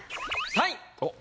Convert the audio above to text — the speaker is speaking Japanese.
３位。